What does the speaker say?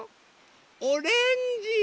オレンジ。